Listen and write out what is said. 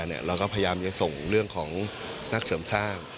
เราก็พยายามจะส่งเรื่องของนักเสริมสร้าง